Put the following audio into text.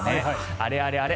あれあれあれ？